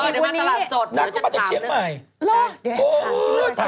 เดี๋ยวมาตลาดสดเดี๋ยวก็มาจากเชียงใหม่นักก็มาจากเชียงใหม่